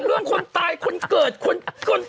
แต่เรื่องคนตายคนเกิดคน